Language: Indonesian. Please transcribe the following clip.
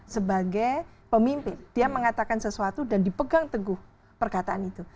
sebagai pemimpin dia mengatakan sesuatu dan dipegang teguh perkataan itu